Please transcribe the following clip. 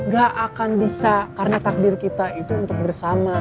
gak akan bisa karena takdir kita itu untuk bersama